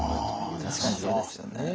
確かにそうですよね。